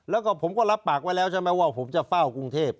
แล้วก็ผมก็รับปากไว้แล้วใช่ไหมว่าผมจะเฝ้ากรุงเทพ